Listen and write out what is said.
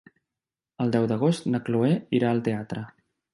El deu d'agost na Chloé irà al teatre.